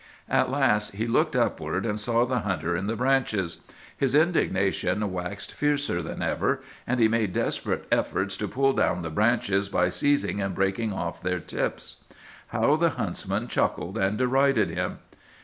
"At last he looked upward, and saw the hunter in the branches. His indignation waxed fiercer than ever, and he made desperate efforts to pull down the branches by seizing and breaking off their tips. "How the huntsman chuckled and derided him!